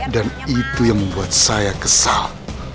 dan itu yang membuat saya kesal